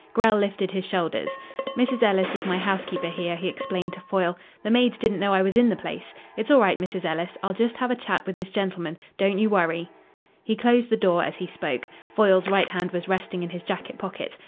Grell lifted his shoulders. "Mrs. Ellis is my housekeeper here," he explained to Foyle. "The maids didn't know I was in the place. It's all right, Mrs. Ellis. I'll just have a chat with this gentleman. Don't you worry." He closed the door as he spoke. Foyle's right hand was resting in his jacket pocket.